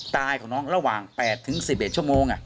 ตายของน้องระหว่าง๘๑๑ชั่วโมง